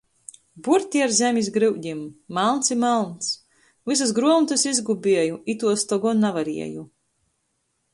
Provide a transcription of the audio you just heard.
Burti ar zemis gryudim. Malns i malns. Vysys gruomotys izgubieju, ituos to gon navarieju.